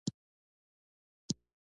د افغانستان طبیعت له مېوې څخه جوړ شوی دی.